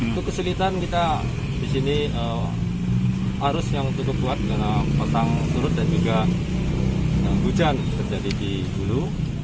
itu kesulitan kita disini arus yang cukup kuat dengan pasang turut dan juga hujan terjadi di bulu